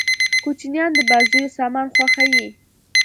کوچنيان د بازيو سامان خوښيي.